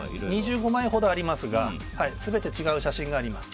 ２５枚ほどありますが全て違う写真があります。